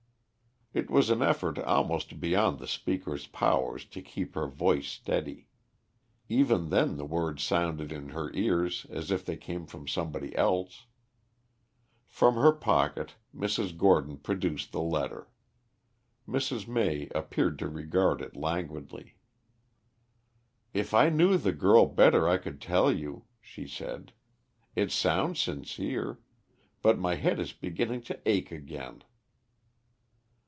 It was an effort almost beyond the speaker's powers to keep her voice steady. Even then the words sounded in her ears as if they came from somebody else. From her pocket Mrs. Gordon produced the letter. Mrs. May appeared to regard it languidly. "If I knew the girl better I could tell you," she said. "It sounds sincere. But my head is beginning to ache again."